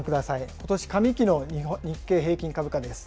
ことし上期の日経平均株価です。